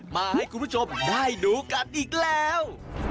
มาให้คุณผู้ชมได้ดูกันอีกแล้ว